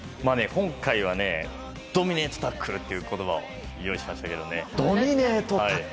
今回はドミネートタックルという言葉を用意しましたけれども。